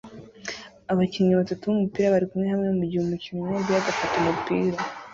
Abakinnyi batatu b'umupira barikumwe hamwe mugihe umukinnyi umwe aguye agafata umupira